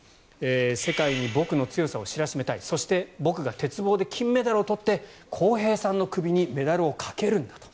世界に僕の強さを知らしめたいそして僕が鉄棒で金メダルを取って航平さんの首にメダルをかけるんだと。